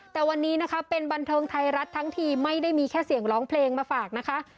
แต่วันนี้นะคะเป็นบันเทิงไทยรัฐทั้งทีไม่ได้มีแค่เสียงร้องเพลงมาฝากนะคะ